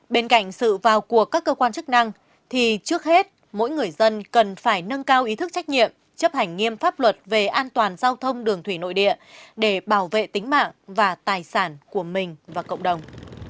bên cạnh sự vào cuộc các cơ quan chức năng thì trước hết mỗi người dân cần phải nâng cao ý thức trách nhiệm chấp hành nghiêm pháp luật về an toàn giao thông đường thủy nội địa để bảo vệ tính mạng và tài sản của mình và cộng đồng